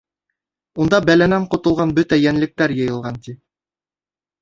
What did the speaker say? Унда бәләнән ҡотолған бөтә йәнлектәр йыйылған, ти.